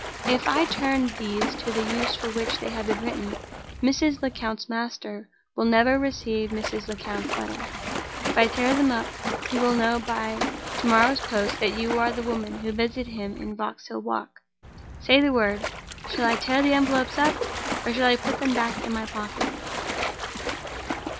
"If I turn these to the use for which they have been written, Mrs. Lecount's master will never receive Mrs. Lecount's letter. If I tear them up, he will know by to morrow's post that you are the woman who visited him in Vauxhall Walk. Say the word! Shall I tear the envelopes up, or shall I put them back in my pocket?"